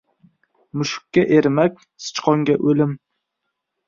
• Mushukka ― ermak, sichqonga ― o‘lim.